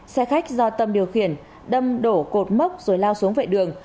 xe khách do tâm điều khiển đâm đổ cột mốc rồi lao xuống vệ đường